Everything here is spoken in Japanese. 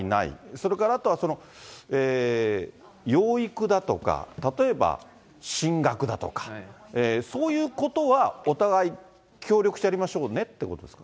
それからあとは、養育だとか、例えば進学だとか、そういうことはお互い協力してやりましょうねってことですか？